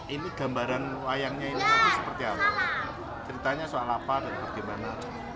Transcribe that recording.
ini gambaran wayangnya ini nanti seperti apa ceritanya soal apa dan bagaimana